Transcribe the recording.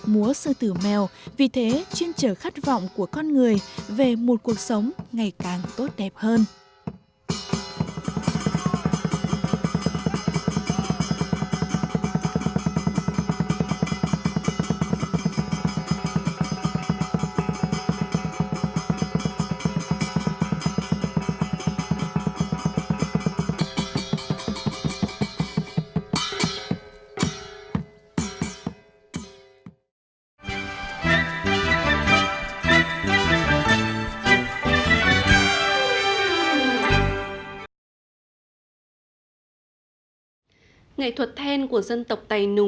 múa sư tử mèo vì thế chuyên trở khát vọng của con người về một cuộc sống ngày càng tốt đẹp hơn